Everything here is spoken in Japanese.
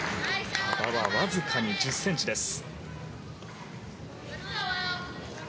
幅はわずかに１０ｃｍです。